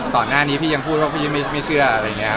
ก่อนหน้านี้พี่ยังพูดว่าพี่ไม่เชื่ออะไรอย่างนี้